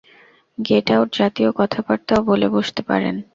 Gate out জাতীয় কথাবার্তাও বলে বসতে পারেন।